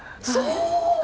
そう！